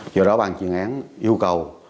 do đó ban chương án yêu cầu